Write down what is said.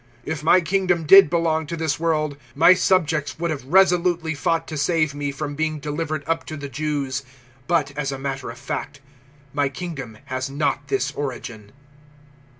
If my kingdom did belong to this world, my subjects would have resolutely fought to save me from being delivered up to the Jews. But, as a matter of fact, my kingdom has not this origin."